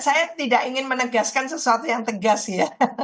saya tidak ingin menegaskan sesuatu yang tegas ya